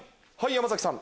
山崎さん。